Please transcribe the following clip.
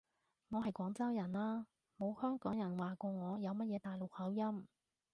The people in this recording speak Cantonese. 我係廣州人啦，冇香港人話過我有乜嘢大陸口音